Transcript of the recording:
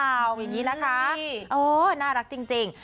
เอาอย่างนี้นะคะเออน่ารักจริง